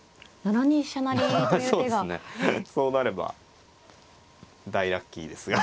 そうなれば大ラッキーですが。